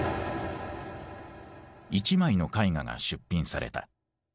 一枚の絵画が出品された。